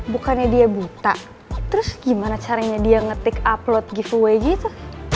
bukannya dia buta terus gimana caranya dia ngetik upload giveaway gitu